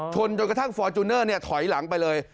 จนกระทั่งฟอร์จูเนอร์ถอยหลังไปเลย